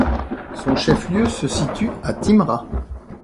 Son chef-lieu se situe à Timrå.